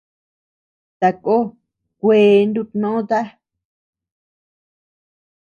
Takoo kuee nutnóta.